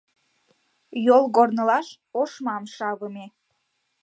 Йолгорнылаш ошмам шавыме.